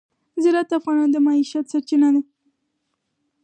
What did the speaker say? زراعت د افغانانو د معیشت سرچینه ده.